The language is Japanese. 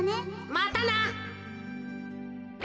またな。